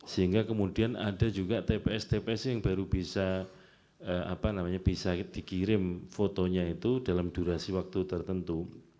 sehingga kemudian ada juga tps tps yang baru bisa dikirim fotonya itu dalam durasi waktu tertentu